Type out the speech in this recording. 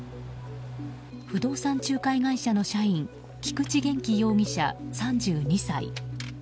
不動産仲介会社の社員菊池元気容疑者、３２歳。